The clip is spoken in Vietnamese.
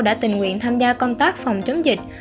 đã tình nguyện tham gia công tác phòng chống dịch